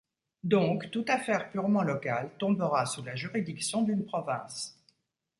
Donc, toute affaire purement locale tombera sous la juridiction d'une province.